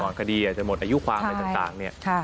คดีอาจจะหมดอายุความอะไรต่างเนี่ย